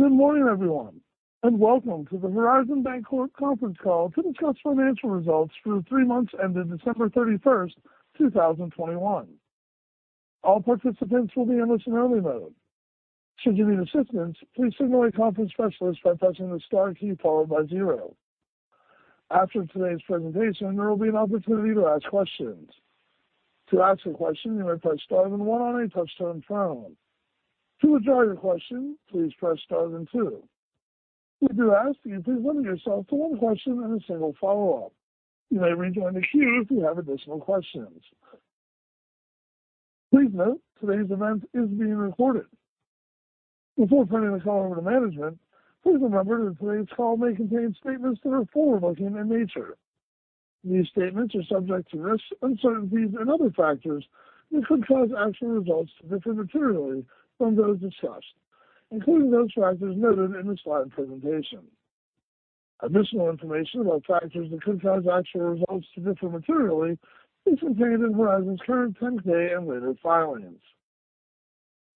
Good morning, everyone, and welcome to the Horizon Bancorp conference call to discuss financial results for the three months ended December 31st, 2021. All participants will be in listen only mode. Should you need assistance, please signal a conference specialist by pressing the star key followed by zero. After today's presentation, there will be an opportunity to ask questions. To ask a question, you may press star then one on a touch-tone phone. To withdraw your question, please press star then two. We do ask that you please limit yourself to one question and a single follow-up. You may rejoin the queue if you have additional questions. Please note today's event is being recorded. Before turning the call over to management, please remember that today's call may contain statements that are forward-looking in nature. These statements are subject to risks, uncertainties and other factors that could cause actual results to differ materially from those discussed, including those factors noted in the slide presentation. Additional information about factors that could cause actual results to differ materially is contained in Horizon's current 10-K and later filings.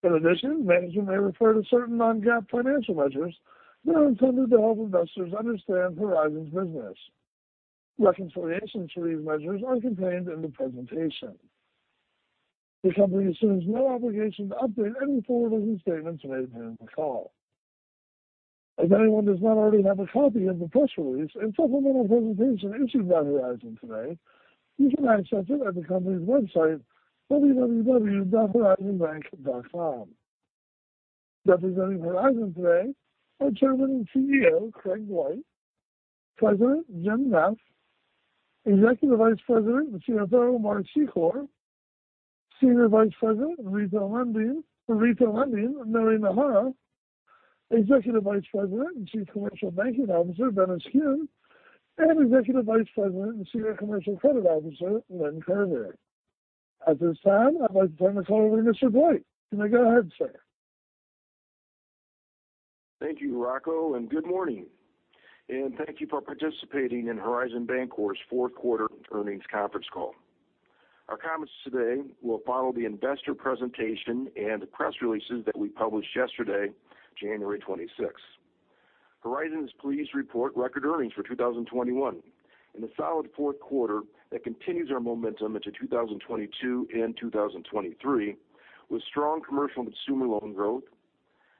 In addition, management may refer to certain non-GAAP financial measures that are intended to help investors understand Horizon's business. Reconciliations for these measures are contained in the presentation. The company assumes no obligation to update any forward-looking statements made during the call. If anyone does not already have a copy of the press release and supplemental presentation issued by Horizon today, you can access it at the company's website, www.horizonbank.com. Representing Horizon today are Chairman and CEO, Craig Dwight, President, Jim Neff, Executive Vice President and CFO, Mark Secor, Senior Vice President of Retail Lending, Noe Najera, Executive Vice President and Chief Commercial Banking Officer, Dennis Kuhn, and Executive Vice President and Senior Commercial Credit Officer, Lynn Kerber. At this time, I'd like to turn the call over to Mr. Dwight. You may go ahead, sir. Thank you, Rocco, and good morning. Thank you for participating in Horizon Bancorp's fourth quarter earnings conference call. Our comments today will follow the investor presentation and the press releases that we published yesterday, January 26th. Horizon is pleased to report record earnings for 2021 and a solid fourth quarter that continues our momentum into 2022 and 2023 with strong commercial and consumer loan growth,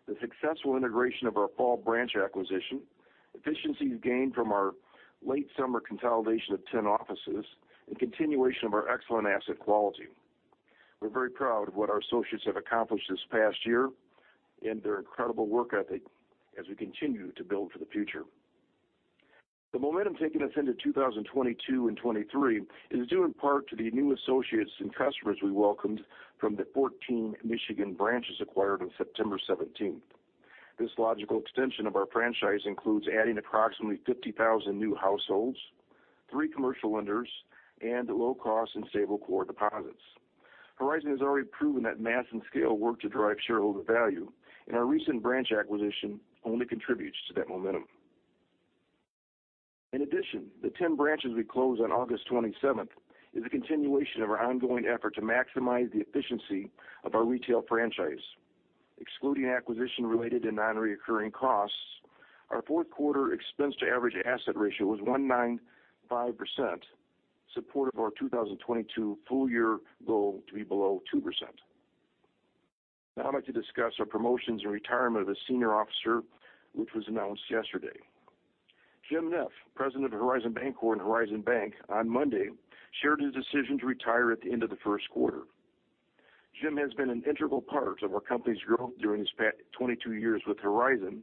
the successful integration of our fall branch acquisition, efficiencies gained from our late summer consolidation of 10 offices, and continuation of our excellent asset quality. We're very proud of what our associates have accomplished this past year and their incredible work ethic as we continue to build for the future. The momentum taking us into 2022 and 2023 is due in part to the new associates and customers we welcomed from the 14 Michigan branches acquired on September 17. This logical extension of our franchise includes adding approximately 50,000 new households, three commercial lenders, and low-cost and stable core deposits. Horizon has already proven that mass and scale work to drive shareholder value, and our recent branch acquisition only contributes to that momentum. In addition, the 10 branches we closed on August 27 is a continuation of our ongoing effort to maximize the efficiency of our retail franchise. Excluding acquisition related and non-recurring costs, our fourth quarter expense to average asset ratio was 1.95%, supportive of our 2022 full year goal to be below 2%. Now I'd like to discuss our promotions and retirement of a senior officer, which was announced yesterday. Jim Neff, President of Horizon Bancorp and Horizon Bank on Monday, shared his decision to retire at the end of the first quarter. Jim has been an integral part of our company's growth during his past 22 years with Horizon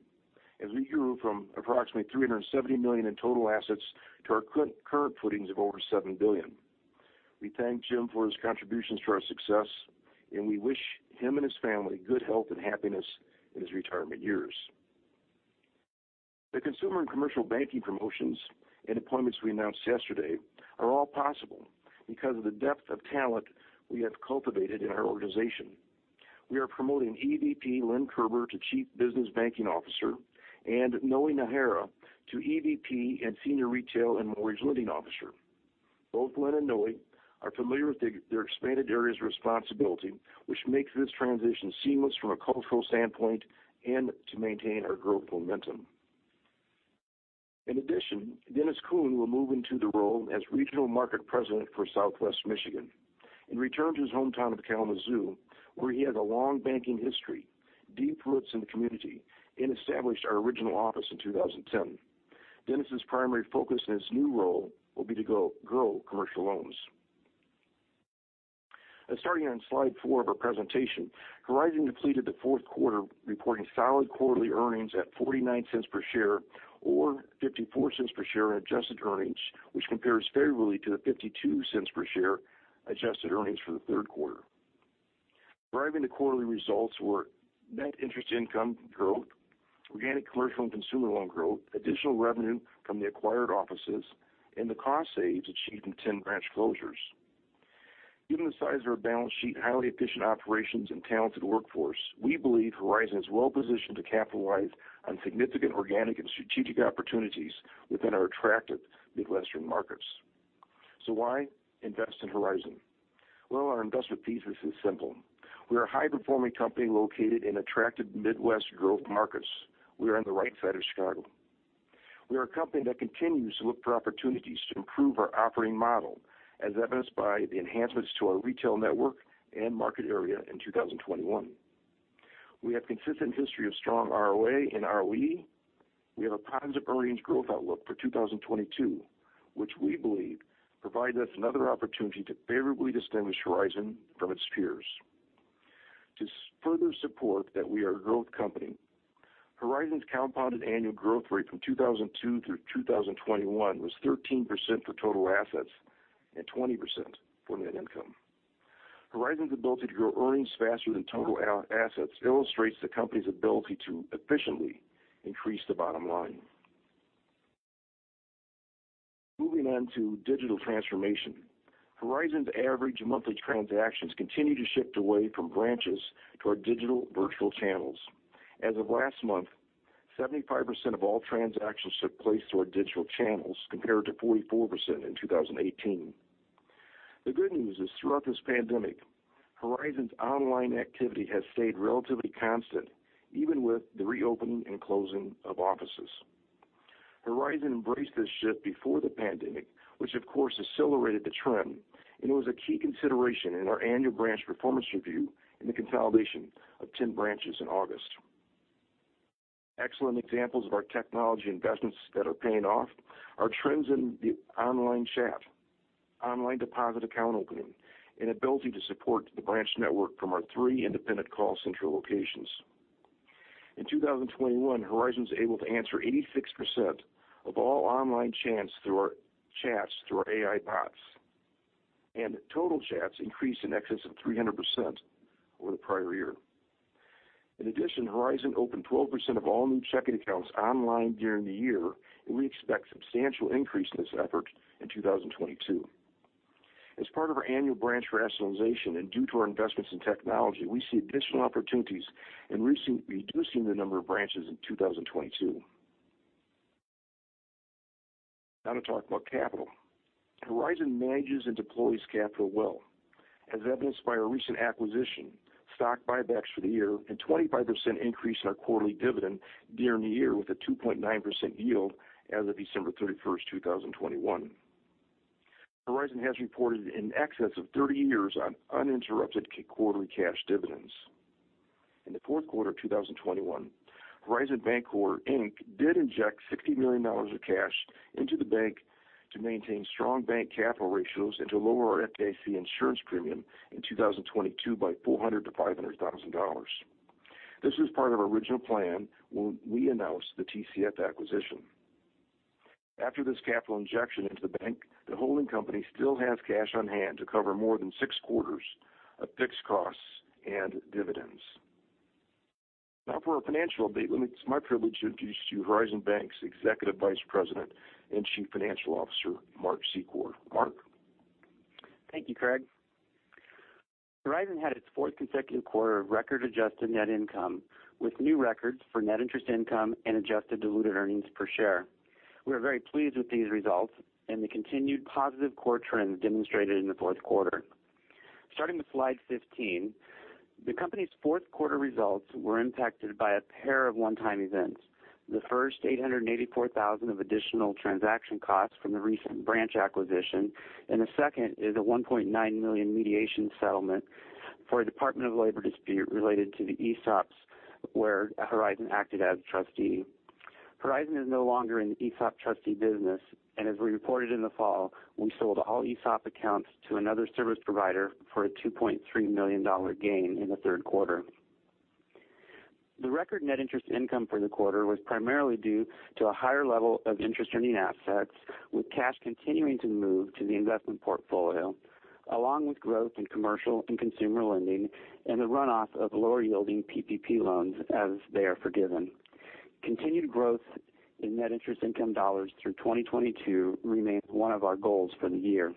as we grew from approximately $370 million in total assets to our current footings of over $7 billion. We thank Jim for his contributions to our success, and we wish him and his family good health and happiness in his retirement years. The consumer and commercial banking promotions and appointments we announced yesterday are all possible because of the depth of talent we have cultivated in our organization. We are promoting EVP Lynn Kerber to Chief Business Banking Officer and Noe Najera to EVP and Senior Retail and Mortgage Lending Officer. Both Lynn and Noe are familiar with their expanded areas of responsibility, which makes this transition seamless from a cultural standpoint and to maintain our growth momentum. In addition, Dennis Kuhn will move into the role as Regional Market President for Southwest Michigan and return to his hometown of Kalamazoo, where he has a long banking history, deep roots in the community, and established our original office in 2010. Dennis's primary focus in his new role will be to grow commercial loans. Starting on slide four of our presentation. Horizon delivered the fourth quarter, reporting solid quarterly earnings at $0.49 per share or $0.54 per share in adjusted earnings, which compares favorably to the $0.52 per share adjusted earnings for the third quarter. Driving the quarterly results were net interest income growth, organic commercial and consumer loan growth, additional revenue from the acquired offices, and the cost savings achieved in 10 branch closures. Given the size of our balance sheet, highly efficient operations and talented workforce, we believe Horizon is well positioned to capitalize on significant organic and strategic opportunities within our attractive Midwestern markets. Why invest in Horizon? Well, our investment thesis is simple. We are a high-performing company located in attractive Midwest growth markets. We are on the right side of Chicago. We are a company that continues to look for opportunities to improve our operating model, as evidenced by the enhancements to our retail network and market area in 2021. We have consistent history of strong ROA and ROE. We have a positive earnings growth outlook for 2022, which we believe provides us another opportunity to favorably distinguish Horizon from its peers. To further support that we are a growth company, Horizon's compounded annual growth rate from 2002 through 2021 was 13% for total assets and 20% for net income. Horizon's ability to grow earnings faster than total assets illustrates the company's ability to efficiently increase the bottom line. Moving on to digital transformation. Horizon's average monthly transactions continue to shift away from branches to our digital virtual channels. As of last month, 75% of all transactions took place through our digital channels compared to 44% in 2018. The good news is, throughout this pandemic, Horizon's online activity has stayed relatively constant, even with the reopening and closing of offices. Horizon embraced this shift before the pandemic, which of course accelerated the trend, and it was a key consideration in our annual branch performance review and the consolidation of 10 branches in August. Excellent examples of our technology investments that are paying off are trends in the online chat, online deposit account opening, and ability to support the branch network from our three independent call center locations. In 2021, Horizon was able to answer 86% of all online chats through our AI bots. Total chats increased in excess of 300% over the prior year. In addition, Horizon opened 12% of all new checking accounts online during the year, and we expect substantial increase in this effort in 2022. As part of our annual branch rationalization and due to our investments in technology, we see additional opportunities in reducing the number of branches in 2022. Now to talk about capital. Horizon manages and deploys capital well, as evidenced by our recent acquisition, stock buybacks for the year, and 25% increase in our quarterly dividend during the year with a 2.9% yield as of December 31st, 2021. Horizon has reported in excess of 30 years of uninterrupted quarterly cash dividends. In the fourth quarter of 2021, Horizon Bancorp, Inc. did inject $60 million of cash into the bank to maintain strong bank capital ratios and to lower our FDIC insurance premium in 2022 by $400,000-$500,000. This was part of our original plan when we announced the TCF acquisition. After this capital injection into the bank, the holding company still has cash on hand to cover more than six quarters of fixed costs and dividends. Now for our financial update, it's my privilege to introduce to you Horizon Bank's Executive Vice President and Chief Financial Officer, Mark Secor. Mark? Thank you, Craig. Horizon had its fourth consecutive quarter of record adjusted net income with new records for net interest income and adjusted diluted earnings per share. We are very pleased with these results and the continued positive core trends demonstrated in the fourth quarter. Starting with slide 15, the company's fourth quarter results were impacted by a pair of one-time events. The first, $884,000 of additional transaction costs from the recent branch acquisition, and the second is a $1.9 million mediation settlement for a Department of Labor dispute related to the ESOPs, where Horizon acted as trustee. Horizon is no longer in the ESOP trustee business, and as we reported in the fall, we sold all ESOP accounts to another service provider for a $2.3 million gain in the third quarter. The record net interest income for the quarter was primarily due to a higher level of interest-earning assets, with cash continuing to move to the investment portfolio, along with growth in commercial and consumer lending and the runoff of lower-yielding PPP loans as they are forgiven. Continued growth in net interest income dollars through 2022 remains one of our goals for the year.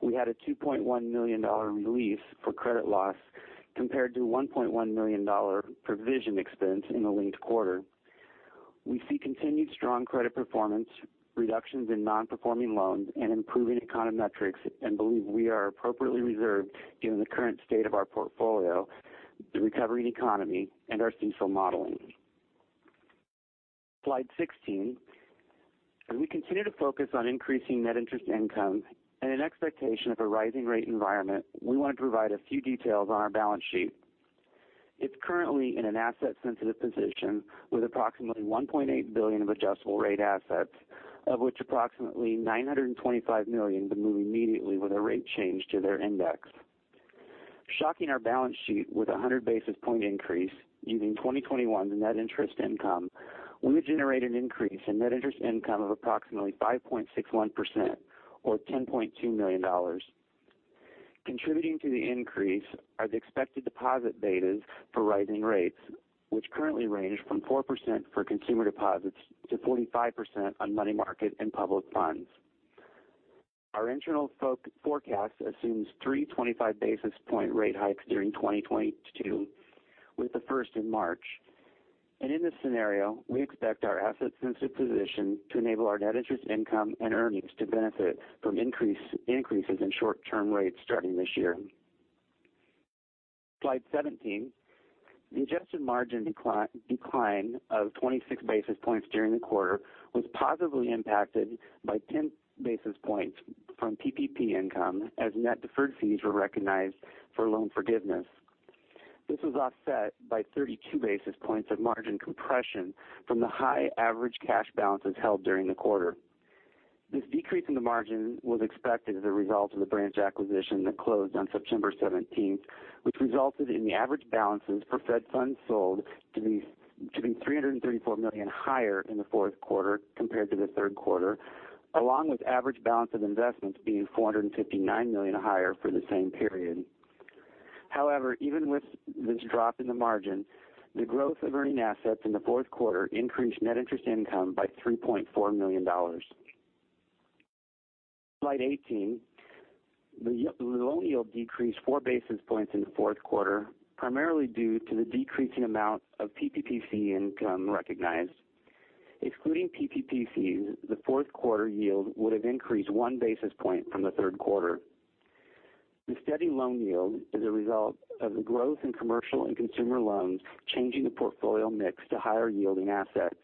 We had a $2.1 million release for credit loss compared to $1.1 million provision expense in the linked quarter. We see continued strong credit performance, reductions in non-performing loans, and improving economics, and believe we are appropriately reserved given the current state of our portfolio, the recovery in economy, and our CECL modeling. Slide 16. As we continue to focus on increasing net interest income and in expectation of a rising rate environment, we want to provide a few details on our balance sheet. It's currently in an asset-sensitive position with approximately $1.8 billion of adjustable rate assets, of which approximately $925 million can move immediately with a rate change to their index. Shocking our balance sheet with a 100 basis point increase using 2021 net interest income, we would generate an increase in net interest income of approximately 5.61% or $10.2 million. Contributing to the increase are the expected deposit betas for rising rates, which currently range from 4% for consumer deposits to 45% on money market and public funds. Our internal forecast assumes three 25-basis-point rate hikes during 2022, with the 1st in March. In this scenario, we expect our asset-sensitive position to enable our net interest income and earnings to benefit from increases in short-term rates starting this year. Slide 17. The adjusted margin decline of 26 basis points during the quarter was positively impacted by 10 basis points from PPP income as net deferred fees were recognized for loan forgiveness. This was offset by 32 basis points of margin compression from the high average cash balances held during the quarter. This decrease in the margin was expected as a result of the branch acquisition that closed on September 17th, which resulted in the average balances for Fed funds sold to be $334 million higher in the fourth quarter compared to the third quarter, along with average balance of investments being $459 million higher for the same period. However, even with this drop in the margin, the growth of earning assets in the fourth quarter increased net interest income by $3.4 million. Slide 18. The loan yield decreased 4 basis points in the fourth quarter, primarily due to the decrease in amount of PPP fee income recognized. Excluding PPP fees, the fourth quarter yield would have increased 1 basis point from the third quarter. The steady loan yield is a result of the growth in commercial and consumer loans changing the portfolio mix to higher yielding assets,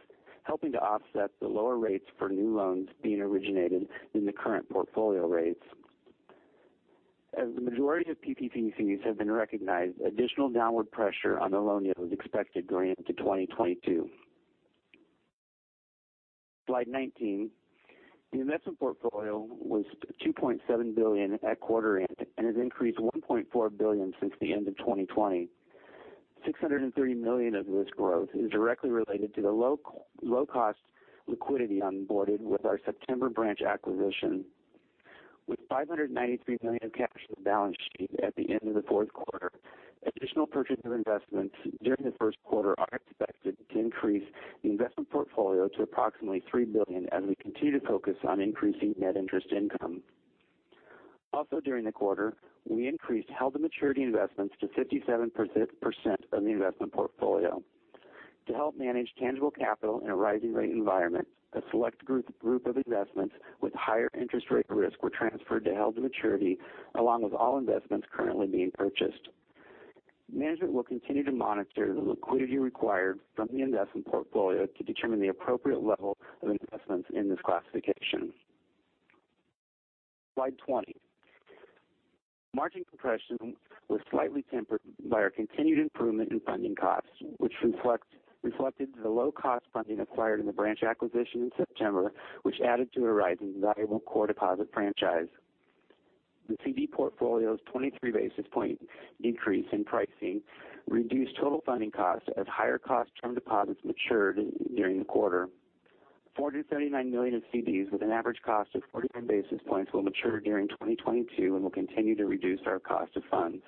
helping to offset the lower rates for new loans being originated in the current portfolio rates. As the majority of PPP fees have been recognized, additional downward pressure on the loan yield is expected going into 2022. Slide 19. The investment portfolio was $2.7 billion at quarter end, and has increased $1.4 billion since the end of 2020. $630 million of this growth is directly related to the low-cost liquidity onboarded with our September branch acquisition. With $593 million of cash on the balance sheet at the end of the fourth quarter, additional purchase of investments during the first quarter are expected to increase the investment portfolio to approximately $3 billion as we continue to focus on increasing net interest income. Also, during the quarter, we increased held-to-maturity investments to 57% of the investment portfolio. To help manage tangible capital in a rising rate environment, a select group of investments with higher interest rate risk were transferred to held-to-maturity, along with all investments currently being purchased. Management will continue to monitor the liquidity required from the investment portfolio to determine the appropriate level of investments in this classification. Slide 20. Margin compression was slightly tempered by our continued improvement in funding costs, which reflected the low-cost funding acquired in the branch acquisition in September, which added to our rising valuable core deposit franchise. The CD portfolio's 23 basis point decrease in pricing reduced total funding costs as higher-cost term deposits matured during the quarter. $439 million of CDs with an average cost of 49 basis points will mature during 2022 and will continue to reduce our cost of funds.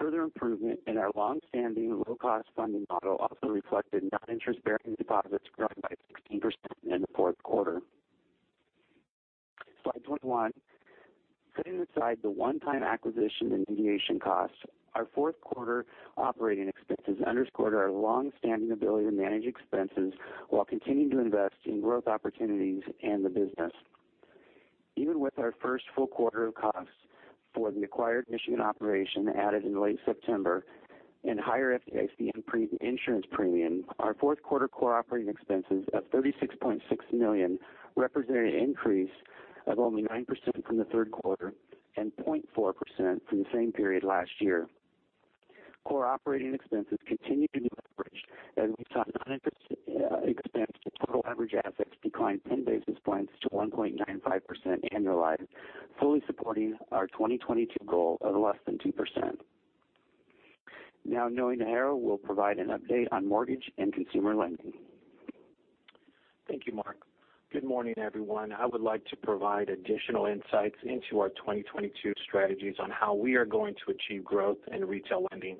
Further improvement in our longstanding low-cost funding model also reflected non-interest-bearing deposits growing by 16% in the fourth quarter. Slide 21. Setting aside the one-time acquisition and mediation costs, our fourth quarter operating expenses underscored our longstanding ability to manage expenses while continuing to invest in growth opportunities and the business. Even with our first full quarter of costs for the acquired Michigan operation added in late September and higher FDIC insurance premium, our fourth quarter core operating expenses of $36.6 million represented an increase of only 9% from the third quarter and 0.4% from the same period last year. Core operating expenses continue to deleverage as we saw non-interest expense to total average assets decline 10 basis points to 1.95% annualized, fully supporting our 2022 goal of less than 2%. Now Noe Najera will provide an update on mortgage and consumer lending. Thank you, Mark. Good morning, everyone. I would like to provide additional insights into our 2022 strategies on how we are going to achieve growth in retail lending.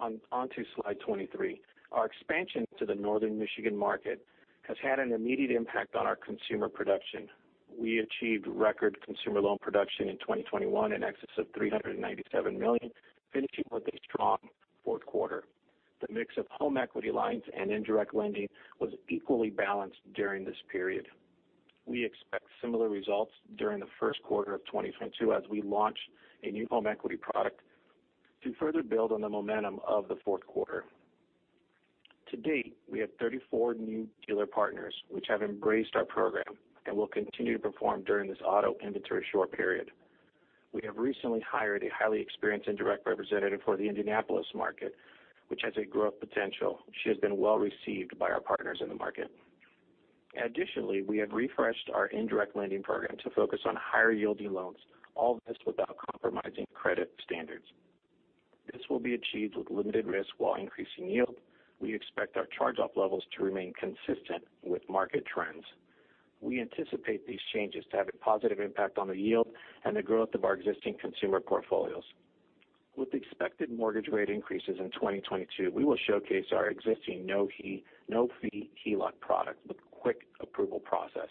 Onto slide 23. Our expansion to the Northern Michigan market has had an immediate impact on our consumer production. We achieved record consumer loan production in 2021 in excess of $397 million, finishing with a strong fourth quarter. The mix of home equity lines and indirect lending was equally balanced during this period. We expect similar results during the first quarter of 2022 as we launch a new home equity product to further build on the momentum of the fourth quarter. To date, we have 34 new dealer partners which have embraced our program and will continue to perform during this auto inventory short period. We have recently hired a highly experienced indirect representative for the Indianapolis market, which has a growth potential. She has been well received by our partners in the market. Additionally, we have refreshed our indirect lending program to focus on higher yielding loans, all this without compromising credit standards. This will be achieved with limited risk while increasing yield. We expect our charge-off levels to remain consistent with market trends. We anticipate these changes to have a positive impact on the yield and the growth of our existing consumer portfolios. With expected mortgage rate increases in 2022, we will showcase our existing no-fee HELOC product with quick approval process.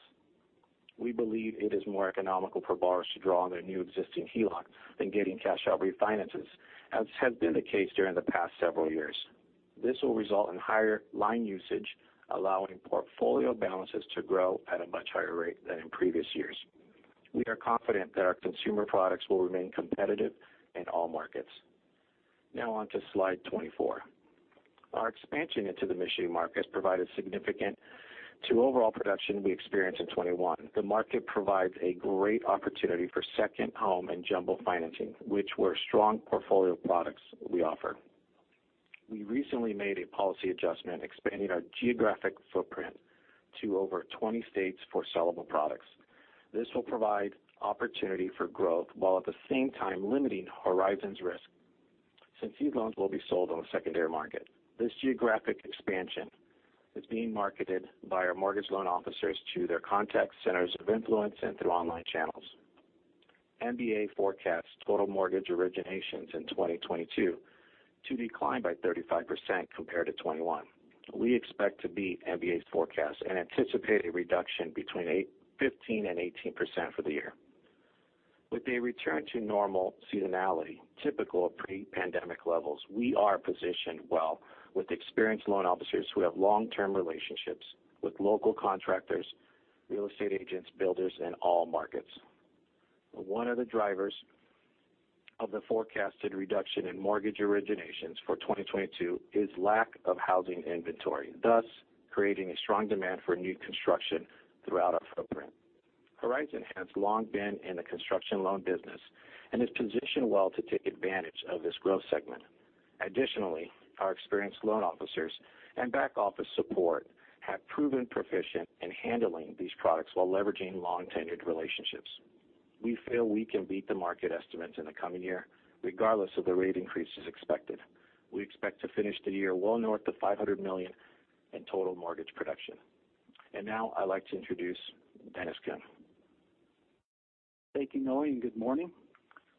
We believe it is more economical for borrowers to draw on their new existing HELOC than getting cash-out refinances, as has been the case during the past several years. This will result in higher line usage, allowing portfolio balances to grow at a much higher rate than in previous years. We are confident that our consumer products will remain competitive in all markets. Now on to slide 24. Our expansion into the Michigan market provided significance to overall production we experienced in 2021. The market provides a great opportunity for second home and jumbo financing, which were strong portfolio products we offer. We recently made a policy adjustment expanding our geographic footprint to over 20 states for sellable products. This will provide opportunity for growth, while at the same time limiting Horizon's risk since these loans will be sold on the secondary market. This geographic expansion is being marketed by our mortgage loan officers to their contact centers of influence and through online channels. MBA forecasts total mortgage originations in 2022 to decline by 35% compared to 2021. We expect to beat MBA's forecast and anticipate a reduction between 8-15 and 18% for the year. With a return to normal seasonality typical of pre-pandemic levels, we are positioned well with experienced loan officers who have long-term relationships with local contractors, real estate agents, builders in all markets. One of the drivers of the forecasted reduction in mortgage originations for 2022 is lack of housing inventory, thus creating a strong demand for new construction throughout our footprint. Horizon has long been in the construction loan business and is positioned well to take advantage of this growth segment. Additionally, our experienced loan officers and back office support have proven proficient in handling these products while leveraging long-tenured relationships. We feel we can beat the market estimates in the coming year regardless of the rate increases expected. We expect to finish the year well north of $500 million in total mortgage production. Now I'd like to introduce Dennis Kuhn. Thank you, Noe, and good morning.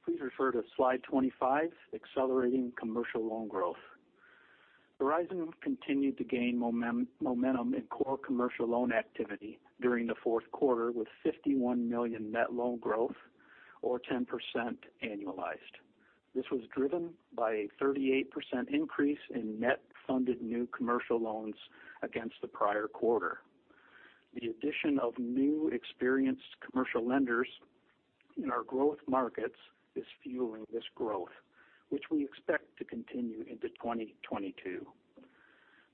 Please refer to slide 25, accelerating commercial loan growth. Horizon continued to gain momentum in core commercial loan activity during the fourth quarter with $51 million net loan growth or 10% annualized. This was driven by a 38% increase in net funded new commercial loans against the prior quarter. The addition of new experienced commercial lenders in our growth markets is fueling this growth, which we expect to continue into 2022.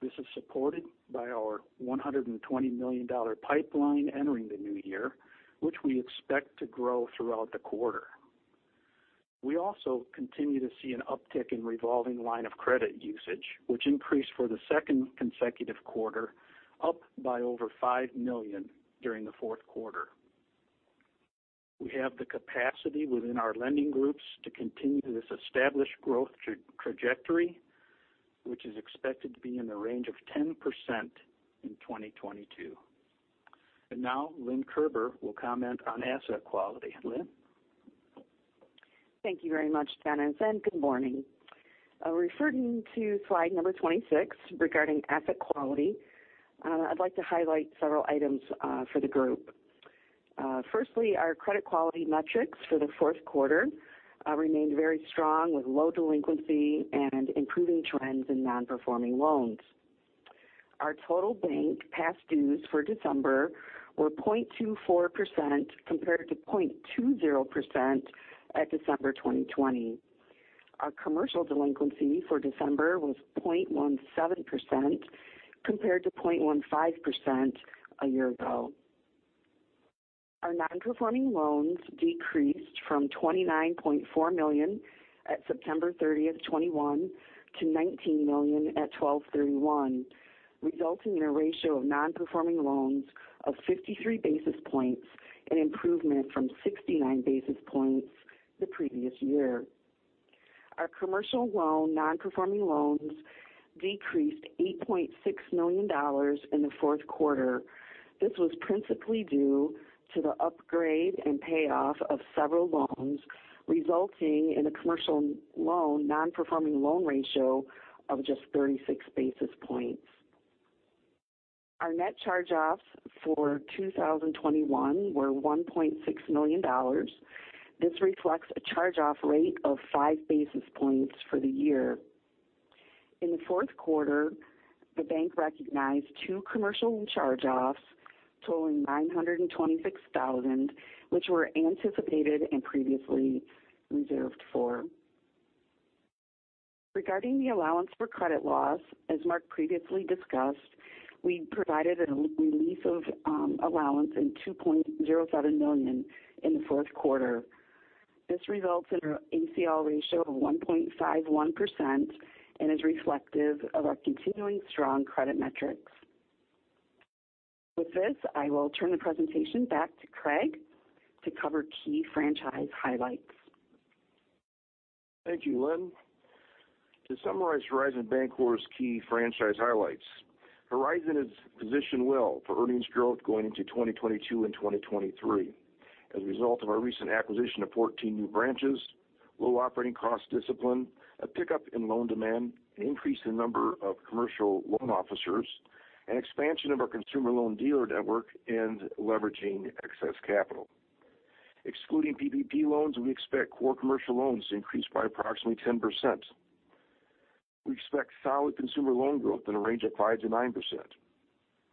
This is supported by our $120 million pipeline entering the new year, which we expect to grow throughout the quarter. We also continue to see an uptick in revolving line of credit usage, which increased for the second consecutive quarter, up by over $5 million during the fourth quarter. We have the capacity within our lending groups to continue this established growth trajectory, which is expected to be in the range of 10% in 2022. Now Lynn Kerber will comment on asset quality. Lynn? Thank you very much, Dennis, and good morning. Referring to slide number 26 regarding asset quality, I'd like to highlight several items for the group. Firstly, our credit quality metrics for the fourth quarter remained very strong with low delinquency and improving trends in non-performing loans. Our total bank past dues for December were 0.24% compared to 0.20% at December 2020. Our commercial delinquency for December was 0.17% compared to 0.15% a year ago. Our non-performing loans decreased from $29.4 million at September 30, 2021 to $19 million at 12/31/2021, resulting in a ratio of non-performing loans of 53 basis points, an improvement from 69 basis points the previous year. Our commercial loan non-performing loans decreased $8.6 million in the fourth quarter. This was principally due to the upgrade and payoff of several loans, resulting in a commercial loan non-performing loan ratio of just 36 basis points. Our net charge-offs for 2021 were $1.6 million. This reflects a charge-off rate of 5 basis points for the year. In the fourth quarter, the bank recognized two commercial charge-offs totaling $926,000, which were anticipated and previously reserved for. Regarding the allowance for credit loss, as Mark previously discussed, we provided a release of allowance in $2.07 million in the fourth quarter. This results in our ACL ratio of 1.51% and is reflective of our continuing strong credit metrics. With this, I will turn the presentation back to Craig to cover key franchise highlights. Thank you, Lynn. To summarize Horizon Bancorp's key franchise highlights, Horizon is positioned well for earnings growth going into 2022 and 2023. Result of our recent acquisition of 14 new branches, low operating cost discipline, a pickup in loan demand, an increase in number of commercial loan officers, an expansion of our consumer loan dealer network, and leveraging excess capital. Excluding PPP loans, we expect core commercial loans to increase by approximately 10%. We expect solid consumer loan growth in a range of 5%-9%.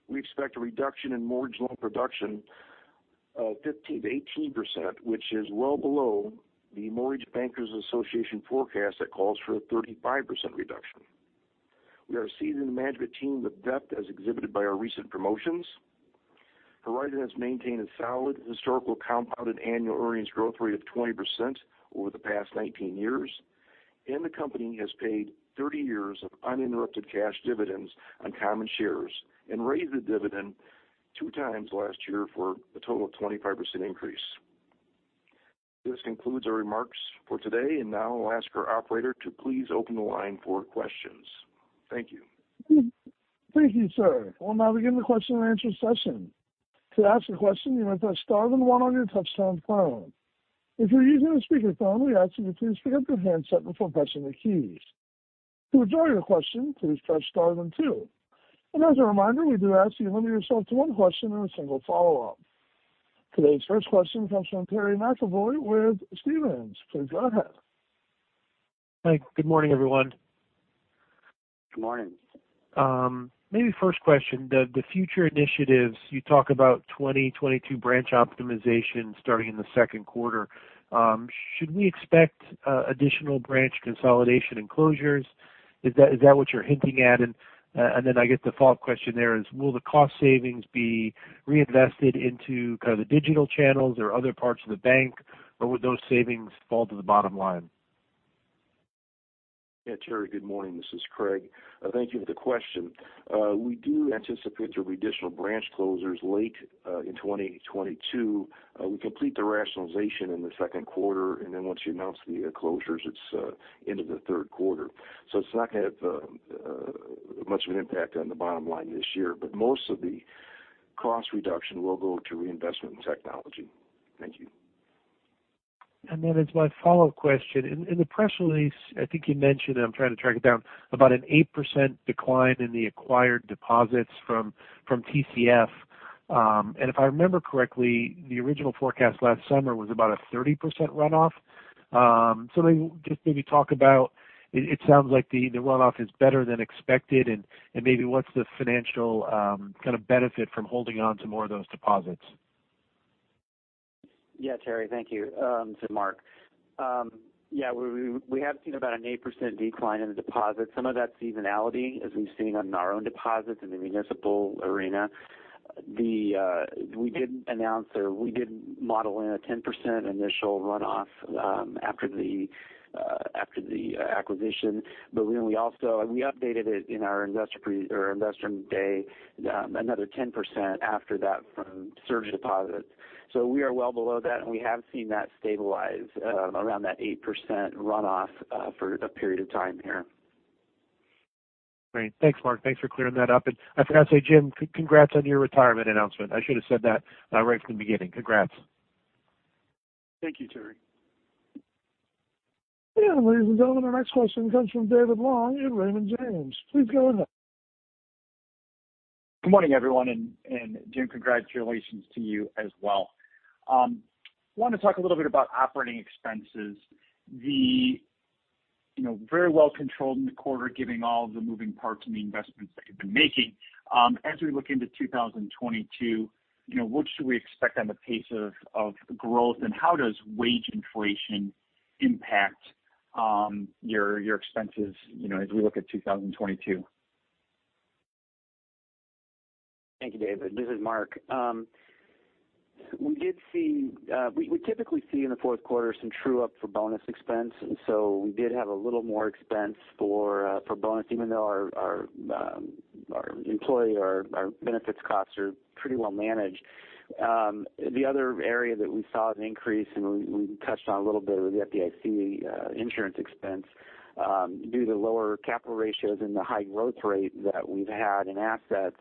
We expect a reduction in mortgage loan production of 15%-18%, which is well below the Mortgage Bankers Association forecast that calls for a 35% reduction. We are seeing the management team with depth as exhibited by our recent promotions. Horizon has maintained a solid historical compounded annual earnings growth rate of 20% over the past 19 years, and the company has paid 30 years of uninterrupted cash dividends on common shares and raised the dividend 2x last year for a total of 25% increase. This concludes our remarks for today. Now I'll ask our operator to please open the line for questions. Thank you. Thank you, sir. We'll now begin the question and answer session. To ask a question, you may press star then one on your touchtone phone. If you're using a speakerphone, we ask you to please pick up your handset before pressing the keys. To withdraw your question, please press star then two. As a reminder, we do ask you to limit yourself to one question and a single follow-up. Today's first question comes from Terry McEvoy with Stephens. Please go ahead. Hi. Good morning, everyone. Good morning. Maybe first question. The future initiatives, you talk about 2022 branch optimization starting in the second quarter. Should we expect additional branch consolidation and closures? Is that what you're hinting at? I guess the follow-up question there is, will the cost savings be reinvested into kind of the digital channels or other parts of the bank, or would those savings fall to the bottom line? Yeah. Terry, good morning. This is Craig. Thank you for the question. We do anticipate there'll be additional branch closures late in 2022. We complete the rationalization in the second quarter, and then once you announce the closures, it's into the third quarter. It's not gonna have much of an impact on the bottom line this year. Most of the cost reduction will go to reinvestment in technology. Thank you. As my follow-up question. In the press release, I think you mentioned, I'm trying to track it down, about an 8% decline in the acquired deposits from TCF. If I remember correctly, the original forecast last summer was about a 30% runoff. Maybe just maybe talk about it. It sounds like the runoff is better than expected and maybe what's the financial kind of benefit from holding on to more of those deposits? Yeah. Terry, thank you. This is Mark. Yeah, we have seen about an 8% decline in the deposits. Some of that seasonality as we've seen on our own deposits in the municipal arena. We did announce or we did model in a 10% initial runoff after the acquisition. We also and we updated it in our Investor Day, another 10% after that from surge deposits. We are well below that, and we have seen that stabilize around that 8% runoff for a period of time here. Great. Thanks, Mark. Thanks for clearing that up. I forgot to say, Jim, congrats on your retirement announcement. I should have said that right from the beginning. Congrats. Thank you, Terry. Yeah. Ladies and gentlemen, our next question comes from David Long at Raymond James. Please go ahead. Good morning, everyone. Jim, congratulations to you as well. I want to talk a little bit about operating expenses, you know, very well controlled in the quarter given all of the moving parts and the investments that you've been making. As we look into 2022, you know, what should we expect on the pace of growth, and how does wage inflation impact your expenses, you know, as we look at 2022? Thank you, David. This is Mark. We typically see in the fourth quarter some true up for bonus expense. We did have a little more expense for bonus, even though our employee benefits costs are pretty well managed. The other area that we saw an increase, we touched on a little bit with the FDIC insurance expense due to lower capital ratios and the high growth rate that we've had in assets.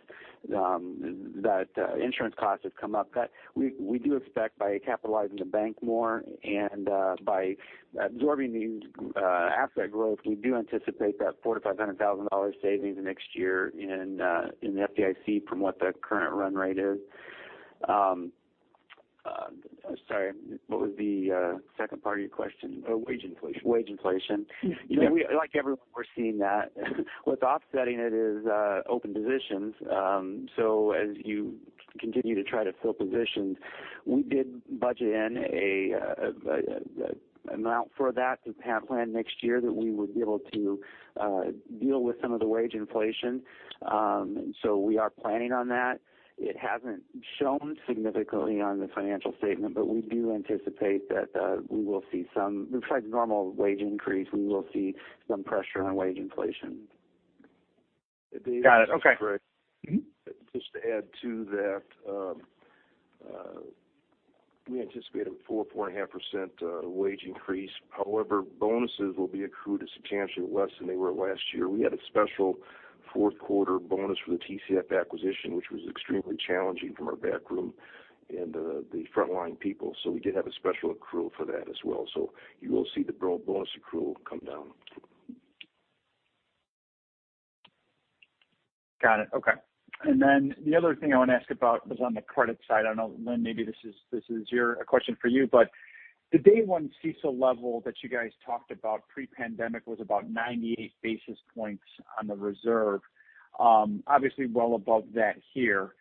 Insurance costs have come up. We do expect by capitalizing the bank more and by absorbing the asset growth, we do anticipate $400,000-$500,000 savings next year in the FDIC from what the current run rate is. Sorry, what was the second part of your question? Oh, wage inflation. Wage inflation. Mm-hmm. You know, we like everyone, we're seeing that. What's offsetting it is open positions. As you continue to try to fill positions, we did budget in a amount for that to plan next year that we would be able to deal with some of the wage inflation. We are planning on that. It hasn't shown significantly on the financial statement, but we do anticipate that we will see some besides normal wage increase, we will see some pressure on wage inflation. Got it. Okay. David, this is Craig. Mm-hmm. Just to add to that, we anticipate a 4%-4.5% wage increase. However, bonuses will be accrued substantially less than they were last year. We had a special fourth quarter bonus for the TCF acquisition, which was extremely challenging from our backroom and the frontline people. You will see the bonus accrual come down. Got it. Okay. The other thing I want to ask about was on the credit side. I know, Lynn, maybe this is your question for you. The day one CECL level that you guys talked about pre-pandemic was about 98 basis points on the reserve. Obviously well above that here.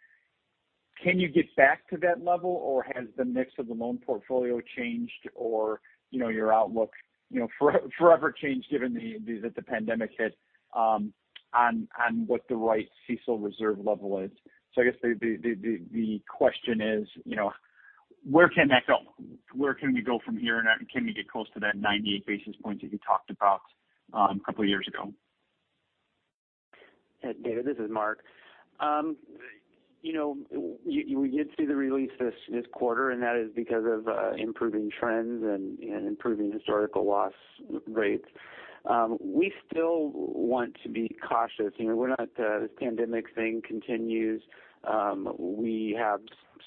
Can you get back to that level or has the mix of the loan portfolio changed or, you know, your outlook, you know, forever changed given that the pandemic hit on what the right CECL reserve level is? I guess the question is, you know, where can that go? Where can we go from here, and can we get close to that 98 basis points that you talked about a couple of years ago? David, this is Mark. You know, we did see the release this quarter, and that is because of improving trends and improving historical loss rates. We still want to be cautious. You know, we're not. This pandemic thing continues. We have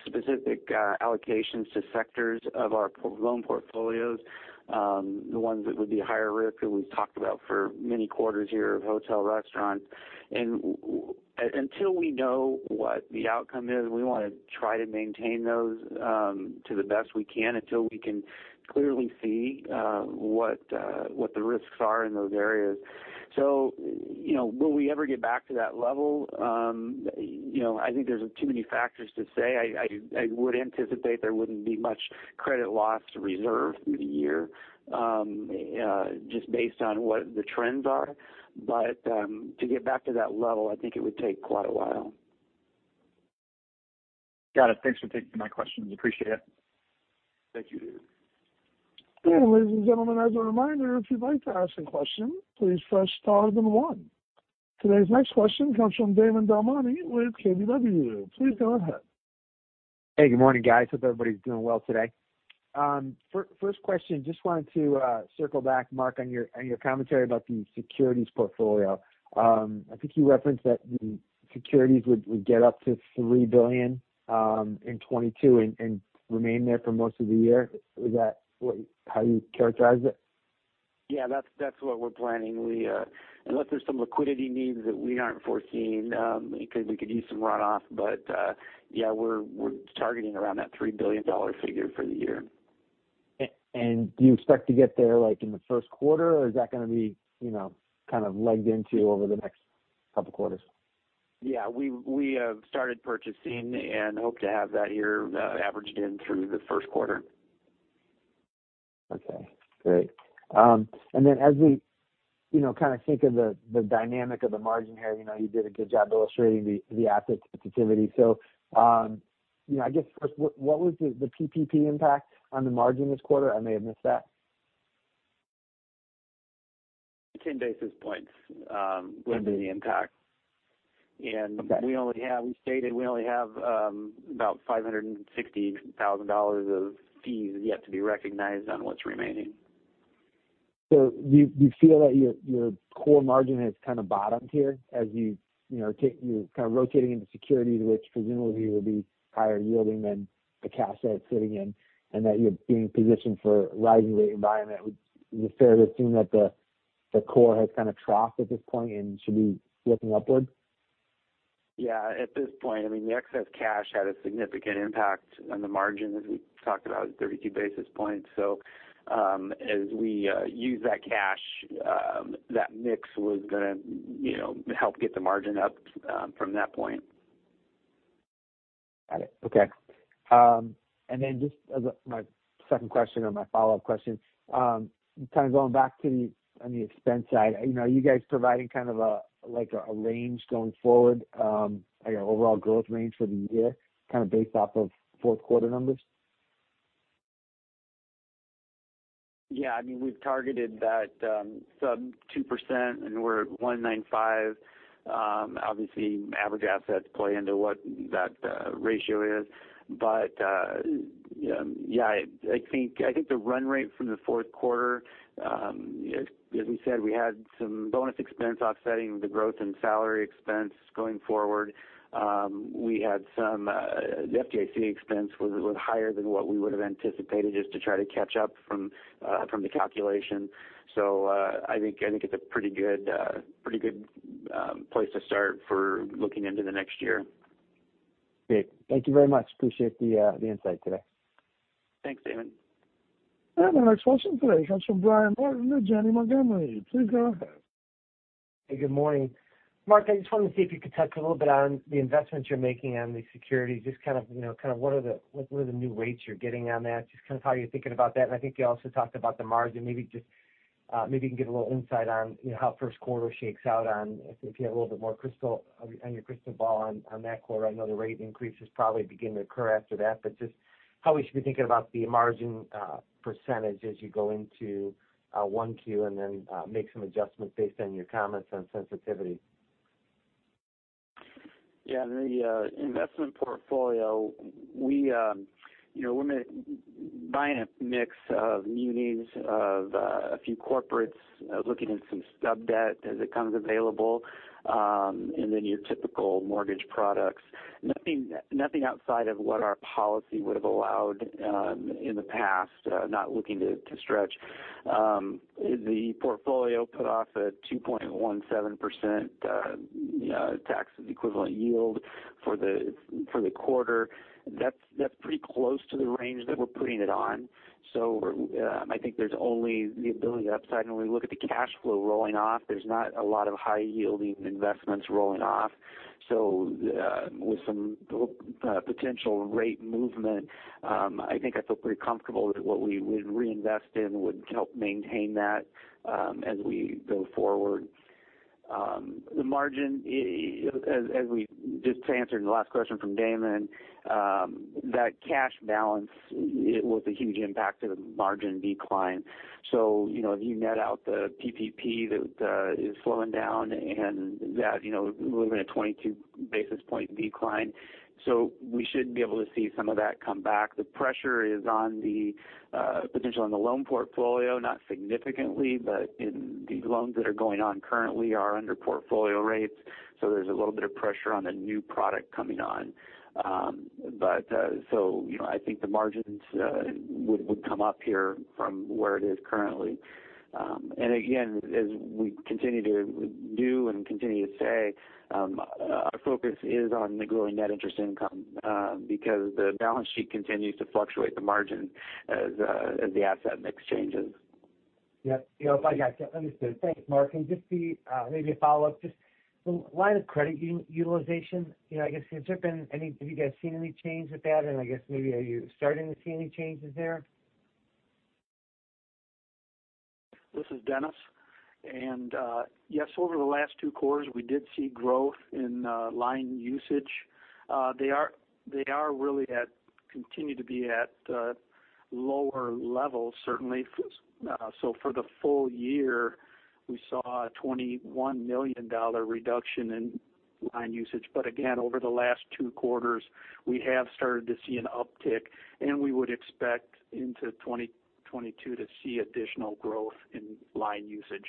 specific allocations to sectors of our loan portfolios, the ones that would be higher risk, that we've talked about for many quarters here of hotel, restaurant. Until we know what the outcome is, we want to try to maintain those to the best we can until we can clearly see what the risks are in those areas. You know, will we ever get back to that level? You know, I think there's too many factors to say. I would anticipate there wouldn't be much credit loss to reserve through the year, just based on what the trends are. To get back to that level, I think it would take quite a while. Got it. Thanks for taking my questions. Appreciate it. Thank you, David. Ladies and gentlemen, as a reminder, if you'd like to ask a question, please press star then one. Today's next question comes from Damon DelMonte with KBW. Please go ahead. Hey, good morning, guys. Hope everybody's doing well today. First question, just wanted to circle back, Mark, on your commentary about the securities portfolio. I think you referenced that the securities would get up to $3 billion in 2022 and remain there for most of the year. Is that how you characterize it? Yeah, that's what we're planning. Unless there's some liquidity needs that we aren't foreseeing, because we could use some runoff. Yeah, we're targeting around that $3 billion figure for the year. Do you expect to get there, like, in the first quarter, or is that going to be, you know, kind of legged into over the next couple of quarters? Yeah, we have started purchasing and hope to have that year averaged in through the first quarter. Okay, great. As we, you know, kind of think of the dynamic of the margin here, you know, you did a good job illustrating the asset sensitivity. You know, I guess first, what was the PPP impact on the margin this quarter? I may have missed that. 10 basis points would be the impact. Okay. We stated we only have about $560,000 of fees yet to be recognized on what's remaining. Do you feel that your core margin has kind of bottomed here as you know you're kind of rotating into securities, which presumably will be higher yielding than the cash that it's sitting in, and that you're being positioned for rising rate environment? Would it be fair to assume that the core has kind of troughed at this point and should be looking upward? Yeah, at this point, I mean, the excess cash had a significant impact on the margin, as we talked about, 32 basis points. As we use that cash, that mix was gonna, you know, help get the margin up, from that point. Got it. Okay. My second question or my follow-up question, kind of going back to the expense side, you know, are you guys providing kind of a, like a range going forward, like an overall growth range for the year, kind of based off of fourth quarter numbers? Yeah. I mean, we've targeted that sub 2% and we're at 1.95%. Obviously average assets play into what that ratio is. Yeah, I think the run rate from the fourth quarter, as we said, we had some bonus expense offsetting the growth in salary expense going forward. We had some, the FDIC expense was higher than what we would have anticipated just to try to catch up from the calculation. I think it's a pretty good place to start for looking into the next year. Great. Thank you very much. Appreciate the insight today. Thanks, Damon. The next question today comes from Brian Martin of Janney Montgomery. Please go ahead. Hey, good morning. Mark, I just wanted to see if you could touch a little bit on the investments you're making on the securities. Just kind of, you know, what are the new rates you're getting on that? Just kind of how you're thinking about that. I think you also talked about the margin. Maybe just, maybe you can give a little insight on, you know, how first quarter shakes out on if you have a little bit more crystal on your crystal ball on that quarter. I know the rate increases probably begin to occur after that, but just how we should be thinking about the margin percentage as you go into 1Q and then make some adjustments based on your comments on sensitivity. Yeah, the investment portfolio, we, you know, we're buying a mix of munis, of a few corporates, looking at some sub-debt as it comes available, and then your typical mortgage products. Nothing outside of what our policy would've allowed in the past. Not looking to stretch. The portfolio yielded a 2.17% tax equivalent yield for the quarter. That's pretty close to the range that we're putting it on. So we're, I think there's only upside. When we look at the cash flow rolling off, there's not a lot of high-yielding investments rolling off. So with some potential rate movement, I think I feel pretty comfortable that what we would reinvest in would help maintain that as we go forward. The margin, as we just answered in the last question from Damon, that cash balance, it was a huge impact to the margin decline. You know, if you net out the PPP that is slowing down and that, you know, we're looking at a 22 basis point decline, so we should be able to see some of that come back. The pressure is on the potential on the loan portfolio, not significantly, but in the loans that are going on currently are under portfolio rates, so there's a little bit of pressure on the new product coming on. You know, I think the margins would come up here from where it is currently. Again, as we continue to do and continue to say, our focus is on the growing net interest income, because the balance sheet continues to fluctuate the margin as the asset mix changes. Yeah. No, I got you. Understood. Thanks, Mark. Just the, maybe a follow-up, just the line of credit utilization, you know. I guess, have you guys seen any change with that? I guess maybe are you starting to see any changes there? This is Dennis. Yes, over the last two quarters, we did see growth in line usage. They really continue to be at lower levels, certainly. For the full year, we saw a $21 million reduction in line usage. Again, over the last two quarters, we have started to see an uptick, and we would expect into 2022 to see additional growth in line usage.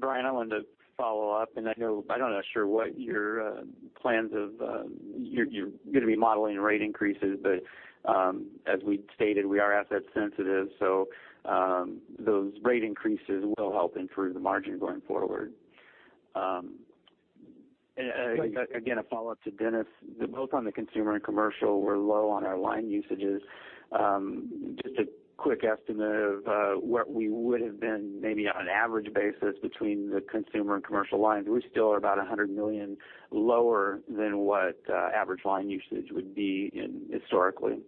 Brian, I wanted to follow up, and I know I'm not sure what your plans are you're gonna be modeling rate increases, but as we stated, we are asset sensitive, so those rate increases will help improve the margin going forward. Again, a follow-up to Dennis. Both on the consumer and commercial, we're low on our line usages. Just a quick estimate of what we would have been maybe on an average basis between the consumer and commercial lines, we're still about $100 million lower than what average line usage would be historically.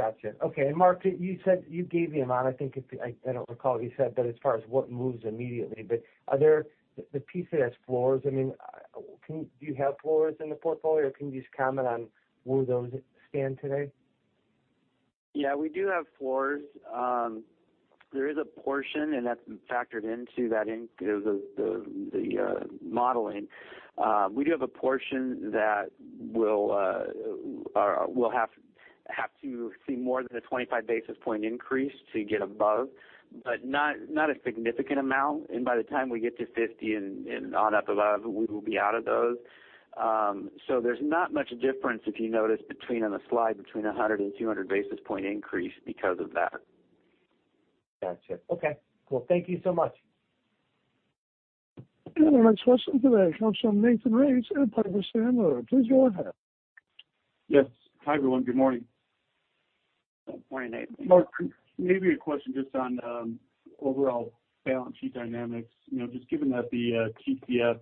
Gotcha. Okay. Mark, you said you gave the amount. I think I don't recall if you said, but as far as what moves immediately. But are there the pieces as floors? Do you have floors in the portfolio? Or can you just comment on where those stand today? Yeah, we do have floors. There is a portion, and that's factored into the modeling. We do have a portion that we'll have to see more than a 25 basis point increase to get above, but not a significant amount. By the time we get to 50 and on up above, we will be out of those. There's not much difference, if you notice between, on the slide, between 100 and 200 basis point increase because of that. Gotcha. Okay. Well, thank you so much. Our next question today comes from Nathan Race at Piper Sandler. Please go ahead. Yes. Hi, everyone. Good morning. Good morning, Nathan. Mark, maybe a question just on overall balance sheet dynamics. You know, just given that the TCF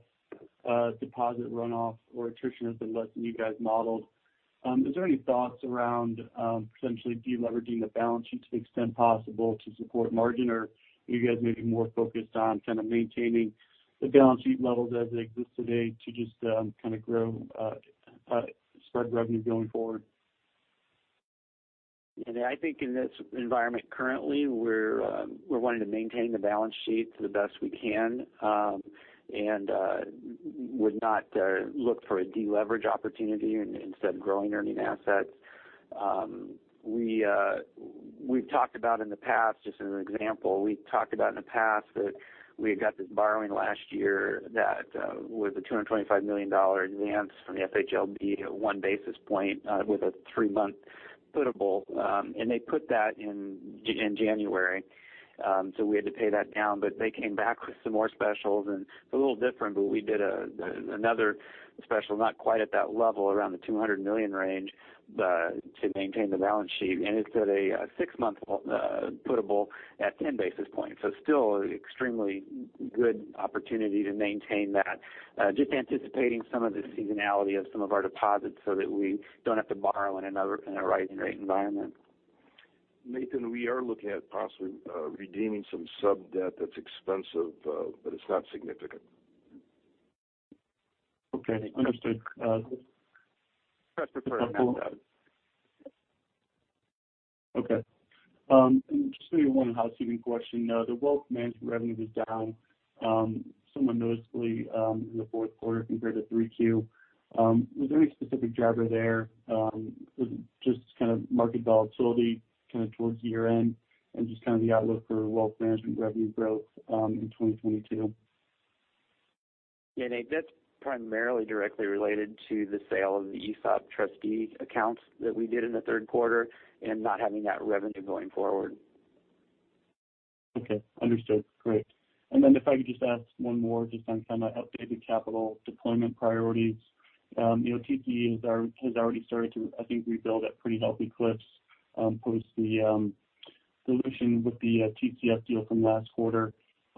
deposit runoff or attrition has been less than you guys modeled, is there any thoughts around potentially de-leveraging the balance sheet to the extent possible to support margin? Or are you guys maybe more focused on kind of maintaining the balance sheet levels as they exist today to just kind of grow spread revenue going forward? Yeah. I think in this environment currently, we're wanting to maintain the balance sheet to the best we can, and would not look for a de-leverage opportunity instead of growing earning assets. We've talked about in the past, just as an example, we've talked about in the past that we had got this borrowing last year that was a $225 million advance from the FHLB at one basis point, with a three-month putable. They put that in January. We had to pay that down. They came back with some more specials, and it's a little different, but we did another special, not quite at that level, around the $200 million range, but to maintain the balance sheet. It's at a six-month putable at 10 basis points. Still extremely good opportunity to maintain that, just anticipating some of the seasonality of some of our deposits so that we don't have to borrow in a rising rate environment. Nathan, we are looking at possibly redeeming some sub-debt that's expensive, but it's not significant. Okay. Understood. Just referring to that. Okay. Just maybe one housekeeping question. The wealth management revenue was down somewhat noticeably in the fourth quarter compared to 3Q. Was there any specific driver there? Was it just kind of market volatility kind of towards the year end and just kind of the outlook for wealth management revenue growth in 2022? Yeah. Nathan, that's primarily directly related to the sale of the ESOP trustee accounts that we did in the third quarter and not having that revenue going forward. Okay. Understood. Great. If I could just ask one more just on kind of updated capital deployment priorities. You know, TCE has already started to, I think, rebuild at pretty healthy clips, post the solution with the TCF deal from last quarter.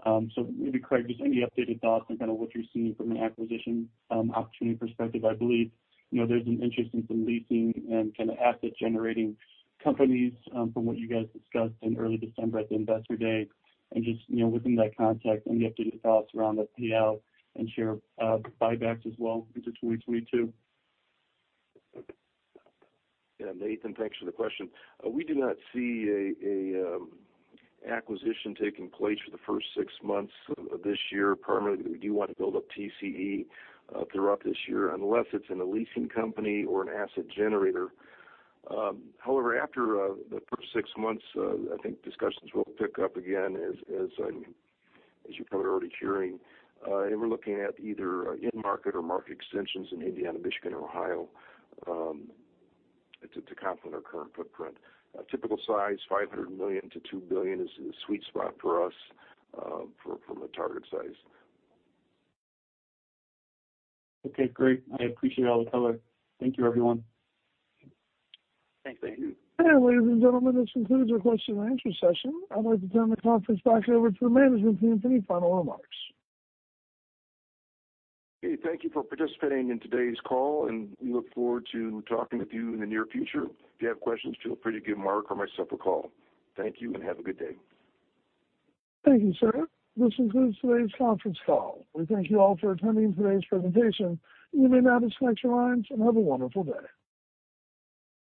Maybe, Craig, just any updated thoughts on kinda what you're seeing from an acquisition opportunity perspective. I believe, you know, there's an interest in some leasing and kinda asset-generating companies, from what you guys discussed in early December at the Investor Day. Just, you know, within that context, any updated thoughts around the payout and share buybacks as well into 2022? Yeah, Nathan, thanks for the question. We do not see an acquisition taking place for the first six months of this year, primarily because we do want to build up TCE throughout this year, unless it's in a leasing company or an asset generator. However, after the first six months, I think discussions will pick up again as you're probably already hearing. We're looking at either in-market or market extensions in Indiana, Michigan, and Ohio to complement our current footprint. A typical size, $500 million-$2 billion, is the sweet spot for us from a target size. Okay. Great. I appreciate all the color. Thank you, everyone. Thanks. Thank you. Ladies and gentlemen, this concludes our question and answer session. I'd like to turn the conference back over to the management team for any final remarks. Hey, thank you for participating in today's call, and we look forward to talking with you in the near future. If you have questions, feel free to give Mark or myself a call. Thank you, and have a good day. Thank you, sir. This concludes today's conference call. We thank you all for attending today's presentation. You may now disconnect your lines, and have a wonderful day.